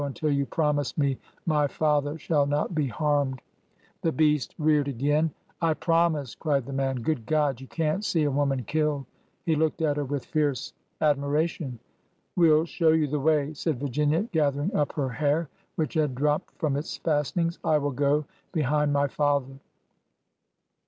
until you promise me my father shall not be harmed !" The beast reared again. I promise !" cried the man. " Good God ! you can't see a woman killed !" He looked at her with fierce ad miration. '' We 'll show you the way," said Virginia, gathering up her hair, which had dropped from its fastenings. '' I will go behind my father."